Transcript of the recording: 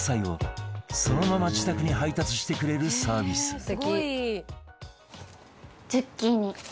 そのまま自宅に配達してくれるサービスズッキーニ。